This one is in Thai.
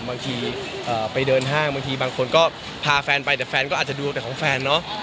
บางทีไปเดินห้างบางทีบางคนก็พาแฟนไปแต่แฟนก็อาจจะดูแต่ของแฟนเนาะ